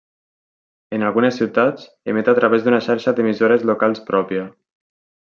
En algunes ciutats emet a través d'una xarxa d'emissores locals pròpia.